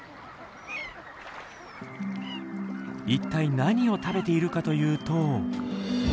一体何を食べているかというと。